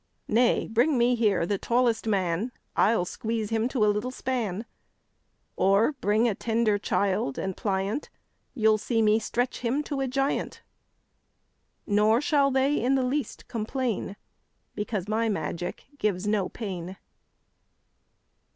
Nay, bring me here the tallest man, I'll squeeze him to a little span; Or bring a tender child, and pliant, You'll see me stretch him to a giant: Nor shall they in the least complain, Because my magic gives no pain.